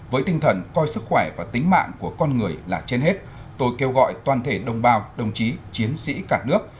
với tinh thần coi sức khỏe và tính mạng của con người là trên hết tôi kêu gọi toàn thể đồng bào đồng chí chiến sĩ cả nước